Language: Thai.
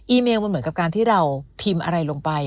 เมลมันเหมือนกับการที่เราพิมพ์อะไรลงไป